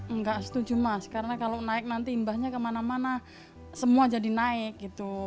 enggak setuju mas karena kalau naik nanti imbahnya kemana mana semua jadi naik gitu